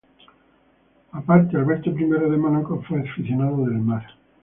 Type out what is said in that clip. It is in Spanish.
Aparte, Alberto I de Mónaco fue un aficionado del mar.